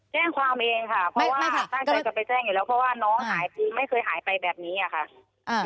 แจ้งความเองค่ะเพราะว่าตั้งใจจะไปแจ้งอยู่แล้วเพราะว่าน้องหายไม่เคยหายไปแบบนี้ค่ะ